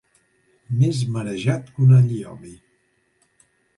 Més marejat que un allioli.